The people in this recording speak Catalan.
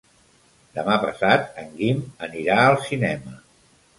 Demà passat en Guim anirà al cinema.